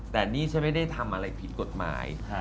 แต่นี่ฉันไม่ได้ทำอะไรผิดกฎหมาย